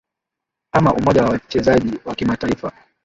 ama umoja wa wachezaji wa kimataifa